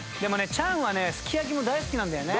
チャンはねすき焼きも大好きなんだよね。